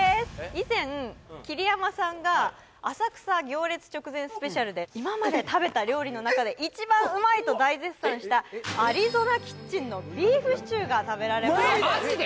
以前桐山さんが浅草行列直前スペシャルで今まで食べた料理の中で一番うまいと大絶賛したアリゾナキッチンのビーフシチューが食べられますマジで！？